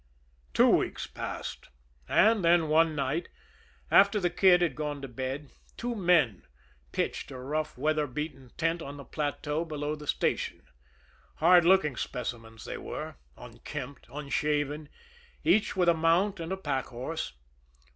Two weeks passed, and then one night, after the Kid had gone to bed, two men pitched a rough, weather beaten tent on the plateau below the station. Hard looking specimens they were; unkempt, unshaven, each with a mount and a pack horse.